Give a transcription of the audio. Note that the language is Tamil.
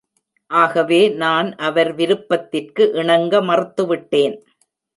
ஆகவே நான் அவர் விருப்பத்திற்கு இணங்க மறுத்துவிட்டேன்.